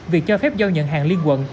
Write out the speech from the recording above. việc cho phép giao nhận hàng liên quận